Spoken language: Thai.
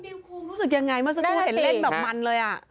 ภูมิรู้สึกยังไงเมื่อสักครู่เห็นเล่นแบบมันเลยอ่ะ